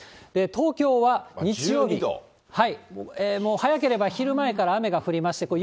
東京は日曜日、もう早ければ昼前から雨が降りまして、これ、